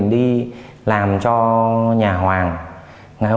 nguyên tắc hoạt động của mình